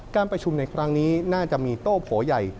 การประชุมในครั้งนี้น่าจะมีโต้โผใหญ่